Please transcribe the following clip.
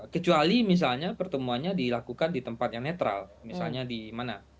kecuali misalnya pertemuannya dilakukan di tempat yang netral misalnya di mana